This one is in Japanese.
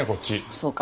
そうか。